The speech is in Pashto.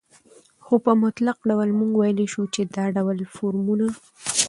خو په مطلق ډول موږ وويلى شو، چې دا ډول فورمونه